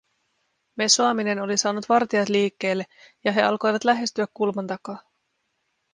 Mesoaminen oli saanut vartijat liikkeelle, ja he alkoivat lähestyä kulman takaa.